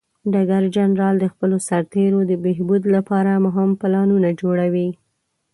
ډګر جنرال د خپلو سرتیرو د بهبود لپاره مهم پلانونه جوړوي.